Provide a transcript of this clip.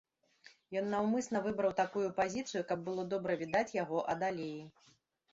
Ён наўмысля выбраў такую пазіцыю, каб было добра відаць яго ад алеі.